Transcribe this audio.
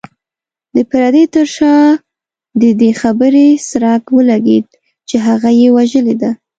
د پردې تر شا د دې خبرې څرک ولګېد چې هغه يې وژلې ده.